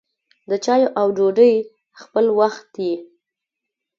د چايو او ډوډۍ خپله وخت يي.